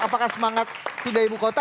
apakah semangat pindah ibu kota